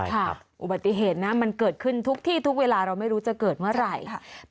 อุบัติเหตุนะมันเกิดขึ้นทุกที่ทุกเวลาเราไม่รู้จะเกิดเมื่อไหร่